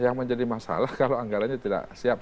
yang menjadi masalah kalau anggarannya tidak siap